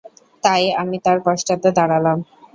তাই আমি তাঁর পশ্চাতে দাঁড়ালাম।